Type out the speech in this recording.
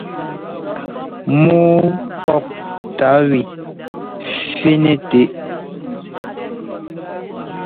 Mɔ́ɔ pɔ́p tát wɛ fí-nɛ tɛʼ.